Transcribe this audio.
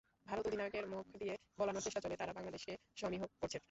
ভারত অধিনায়কের মুখ দিয়ে বলানোর চেষ্টা চলে, তাঁরা বাংলাদেশকে সমীহ করছেন।